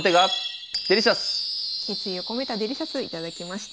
決意を込めたデリシャス頂きました。